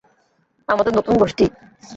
আমাদের নতুন গোষ্ঠী।